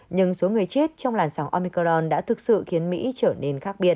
nhưng số người chết trong làn sóng omicorn đã thực sự khiến mỹ trở nên khác biệt